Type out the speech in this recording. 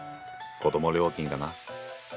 子ども料金だな。